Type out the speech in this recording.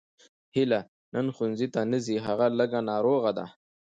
هیله نن ښوونځي ته نه ځي هغه لږه ناروغه ده